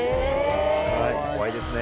はい怖いですね。